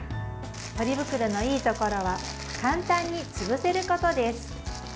ポリ袋のいいところは簡単に潰せることです。